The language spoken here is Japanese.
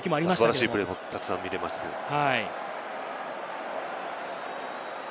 素晴らしいプレーもたくさん見られましたけれども。